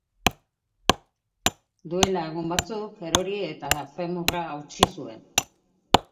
Duela egun batzuk, erori eta femurra hautsi zuen.